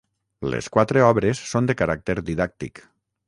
Les quatre obres són de caràcter didàctic.